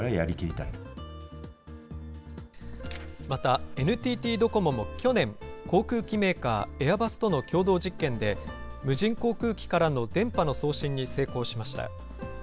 また、ＮＴＴドコモも去年、航空機メーカー、エアバスとの共同実験で、無人航空機からの電波の送信に成功しました。